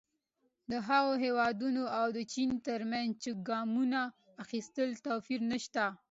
د هغو هېوادونو او چین ترمنځ چې ګامونه اخیستي توپیر نه شته.